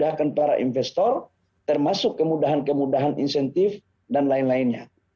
memudahkan para investor termasuk kemudahan kemudahan insentif dan lain lainnya